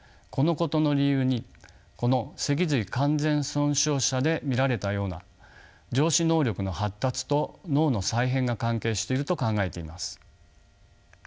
このことの理由にこの脊髄完全損傷者で見られたような上肢能力の発達と脳の再編が関係していると考えています。